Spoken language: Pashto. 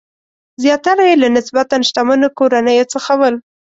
زیاتره یې له نسبتاً شتمنو کورنیو څخه ول.